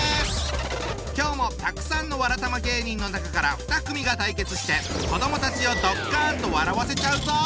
今日もたくさんのわらたま芸人の中から２組が対決して子どもたちをドッカンと笑わせちゃうぞ！